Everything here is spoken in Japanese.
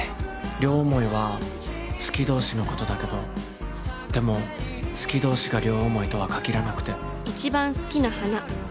両思いは好き同士のことだけどでも、好き同士が両思いとは限らなくて。